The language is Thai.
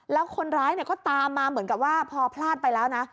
แล้วคนร้ายก็ตามมาเหมือนกับว่าพอพลาดไปแล้วนะ